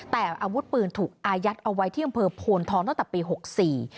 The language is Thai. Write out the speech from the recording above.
แต่อาวุธปืนถูกอายัดเอาไว้ที่บริษัทโพนท้องตั้งแต่ปี๖๔